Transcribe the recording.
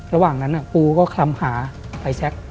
ระหว่างนั้นปูก็คลำหาไฟแชค